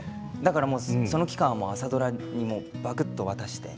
その期間は朝ドラにばくっと渡して。